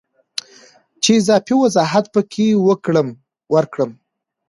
چې اضافي وضاحت پکې ورکړم